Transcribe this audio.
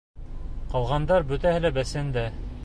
Ҡалғандар бөтәһе лә бесәндә.